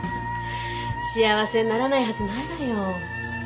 幸せにならないはずないわよ。